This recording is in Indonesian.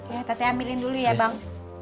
ya tete ambilin dulu ya bang